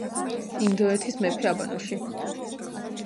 ინდოეთის მეფე აბანოში